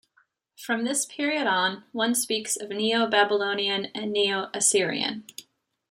From this period on, one speaks of Neo-Babylonian and Neo-Assyrian.